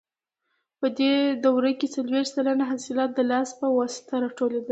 په دې دوره کې څلوېښت سلنه حاصلات د لاس په واسطه راټولېدل.